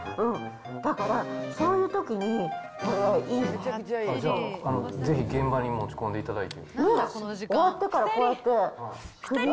だから、そういうときに、これいじゃあ、ぜひ現場に持ち込んでいただいて。